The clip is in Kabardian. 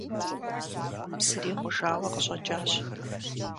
Псыри гъужауэ къыщӏэкӏащ.